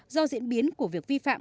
do diễn biến của việc vi phạm